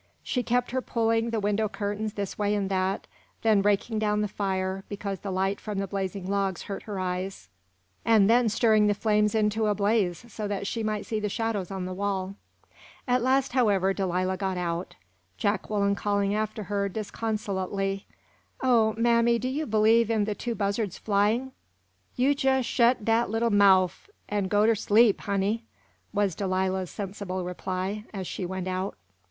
She kept her pulling the window curtains this way and that, then raking down the fire because the light from the blazing logs hurt her eyes, and then stirring the flames into a blaze so that she might see the shadows on the wall. At last, however, Delilah got out, Jacqueline calling after her disconsolately: "O mammy, do you believe in the two buzzards flying " "You jes' shet dat little mouf, an' go ter sleep, honey," was Delilah's sensible reply, as she went out.